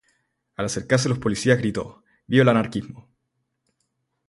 Al acercarse los policías, gritó ""¡¡Viva el anarquismo!!